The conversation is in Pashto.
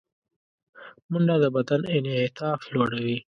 منډه د بدن انعطاف لوړوي